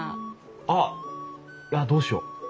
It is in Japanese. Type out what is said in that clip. あっあっどうしよう。